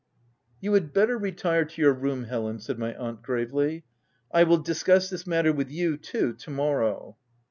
" You had better retire to your room, Helen," said my aunt, gravely. " I will dis cuss this matter with you, too, to morrow."